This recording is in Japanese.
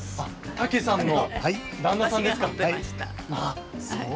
タケさんの旦那さんですね。